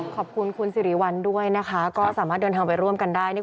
ขอบคุณคุณสิริวัลด้วยนะคะก็สามารถเดินทางไปร่วมกันได้